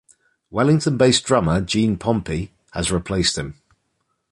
Wellington-based drummer Jean Pompey has replaced him.